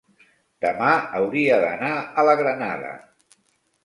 demà hauria d'anar a la Granada.